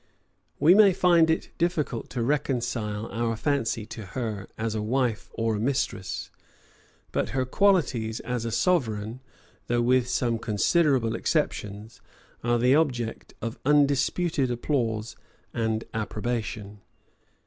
We may find it difficult to reconcile our fancy to her as a wife or a mistress; but her qualities as a sovereign, though with some considerable exceptions, are the object of undisputed applause and approbation.